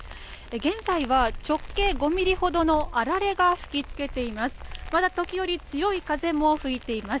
現在は直径５ｍｍほどのあられが吹きつけています。